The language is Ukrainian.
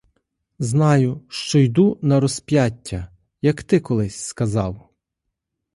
Знаю, що йду на розп'яття, як ти колись сказав.